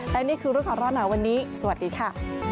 และนี่คือรูปของร้อนหนาวันนี้สวัสดีค่ะ